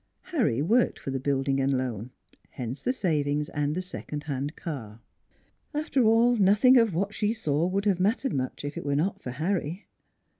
Harry worked for the Building and Loan, hence the savings and the second hand car. After all, nothing of what she saw would have mattered much if it were not for Harry.